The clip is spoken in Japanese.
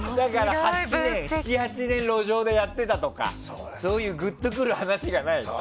７８年路上でやってたとかそういうグッとくる話がない。